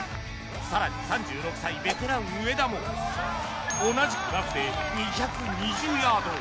更に３６歳ベテラン上田も同じくラフで２２０ヤード